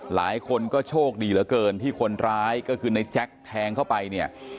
หลายคนก็โชคดีเหลือเกินที่คนร้ายก็คือในแจ็คแทงเข้าไปเนี่ย